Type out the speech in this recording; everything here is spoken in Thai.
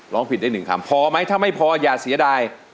ร้องผิดได้หนึ่งคำพอไหมถ้าไม่พออย่าเสียดาย